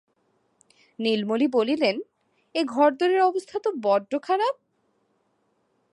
নীলমণি বলিলেন, এ ঘরদোরের অবস্থা তো বড্ড খারাপ?